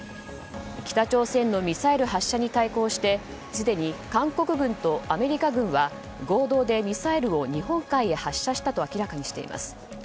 北朝鮮のミサイル発射に対抗してすでに韓国軍とアメリカ軍は、合同でミサイルを日本海へ発射したと明らかにしています。